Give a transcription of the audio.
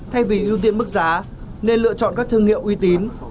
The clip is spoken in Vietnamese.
thay vì ưu tiên mức giá nên lựa chọn các thương hiệu uy tín